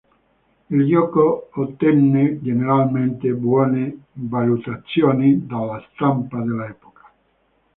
Il gioco ottenne generalmente buone valutazioni dalla stampa dell'epoca.